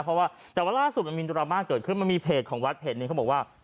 เพราะว่าแต่ว่าล่าสุดมันมีดราม่าเกิดขึ้นมันมีเพจของวัดเพจหนึ่งเขาบอกว่า